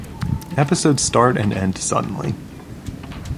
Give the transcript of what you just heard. Episodes start and end suddenly.